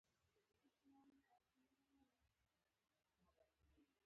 احمد وچ ډانګ دی. هېڅ غوښه نه نیسي.